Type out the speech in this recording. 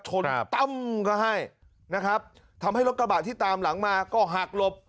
ตั้มก็ให้นะครับทำให้รถกระบะที่ตามหลังมาก็หักหลบ